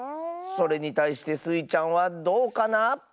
それにたいしてスイちゃんはどうかな？